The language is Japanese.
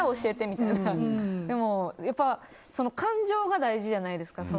でも、感情が大事じゃないですか。